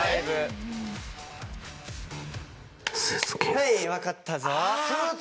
はい分かったぞ。